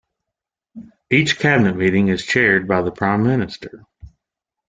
Each cabinet meeting is chaired by the Prime Minister.